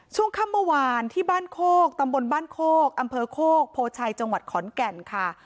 ช่วงค่ำเมื่อวานที่บ้านโคกตำบลบ้านโคกอำเภอโคกโพชัยจังหวัดขอนแก่นค่ะ